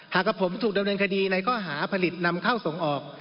หากกระผมถูกเดินเรื่องคดีในข้อหาผลิตนำเข้าส่งออก